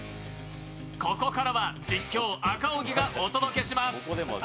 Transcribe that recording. ここからは実況、赤荻がお届けします。